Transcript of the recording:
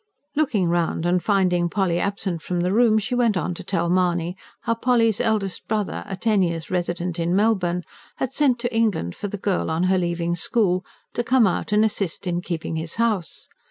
Looking round, and finding Polly absent from the room, she went on to tell Mahony how Polly's eldest brother, a ten years' resident in Melbourne, had sent to England for the girl on her leaving school, to come out and assist in keeping his house.